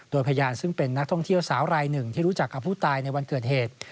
โดยพยานซึ่งเป็นนักท่องเที่ยวสาวรายหนึ่งที่รู้จักกับผู้ตายในวันเกิดเหตุ